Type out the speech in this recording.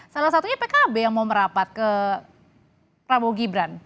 salah satunya pkb yang mau merapat ke prabowo gibran